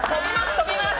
とびます！